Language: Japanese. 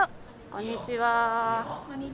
こんにちは。